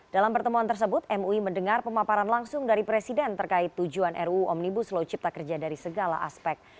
dalam pertemuan tersebut mui mendengar pemaparan langsung dari presiden terkait tujuan ruu omnibus law cipta kerja dari segala aspek